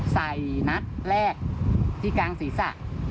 นัดแรกที่กลางศีรษะ